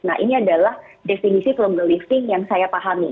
nah ini adalah definisi frugal living yang saya pahami